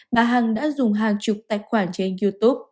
bà hằng đã dùng hàng chục tài khoản trên youtube